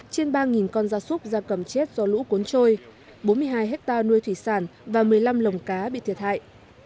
trên ba con da súc da cầm chết do lũ cuốn trôi bốn mươi hai hectare nuôi thủy sản và một mươi năm lồng cá bị thiệt hại